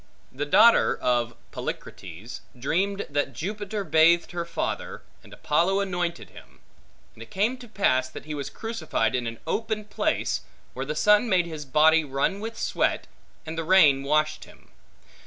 The daughter of Polycrates, dreamed that Jupiter bathed her father, and Apollo anointed him; and it came to pass, that he was crucified in an open place, where the sun made his body run with sweat, and the rain washed it.